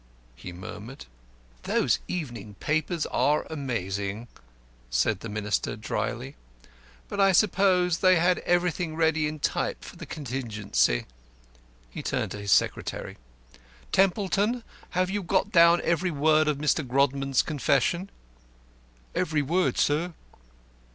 he murmured. "Those evening papers are amazing," said the Minister, drily. "But I suppose they had everything ready in type for the contingency." He turned to his secretary. "Templeton, have you got down every word of Mr. Grodman's confession?" "Every word, sir."